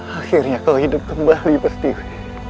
akhirnya kau hidup kembali bersih